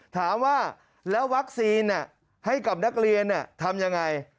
ถามว่าแล้ววัคซีนให้กับนักเรียนทำยังไง